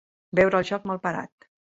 Veure el joc mal parat.